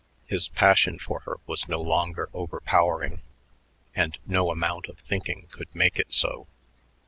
His passion for her was no longer overpowering, and no amount of thinking could make it so.